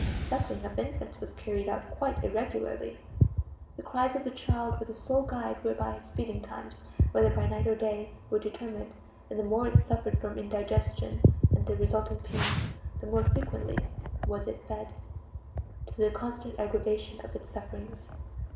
Suckling of infants was carried out quite irregularly; the cries of the child were the sole guide whereby its feeding times, whether by night or day, were determined; and the more it suffered from indigestion and the resulting pains, the more frequently was it fed, to the constant aggravation of its sufferings.